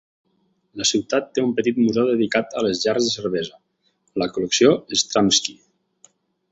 La ciutat té un petit museu dedicat a les gerres de cervesa, la col·lecció Stramski.